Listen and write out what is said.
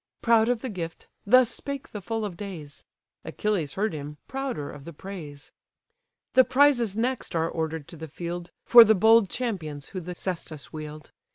Proud of the gift, thus spake the full of days: Achilles heard him, prouder of the praise. The prizes next are order'd to the field, For the bold champions who the caestus wield.